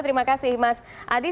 terima kasih mas adi